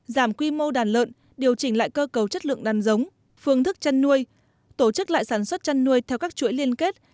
giảm quy mô đàn lợn điều chỉnh lại cơ cấu chất lượng đàn giống phương thức chăn nuôi tổ chức lại sản xuất chăn nuôi theo các chuỗi liên kết